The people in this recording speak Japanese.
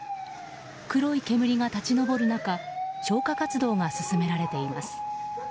黒い煙が立ち上る中消火活動が進められています。